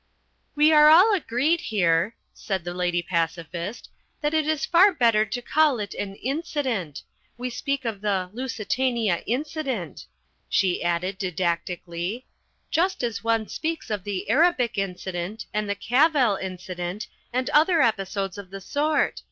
"We are all agreed here," said The Lady Pacifist, "that it is far better to call it an incident. We speak of the 'Lusitania Incident,'" she added didactically, "just as one speaks of the Arabic Incident, and the Cavell Incident, and other episodes of the sort.